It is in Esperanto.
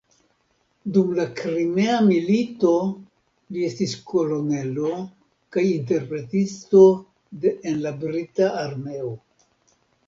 Dum la Krimea milito li estis kolonelo kaj interpretisto en la brita armeo.